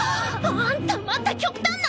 あんたまた極端な！